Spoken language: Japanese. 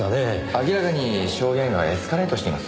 明らかに証言がエスカレートしています。